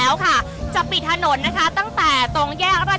เชื่อหรือเกินค่ะคุณผู้ชมว่าข้ามคืนนี้นะคะแสงเพียรนับพันนับร้อยเล่มนะคะ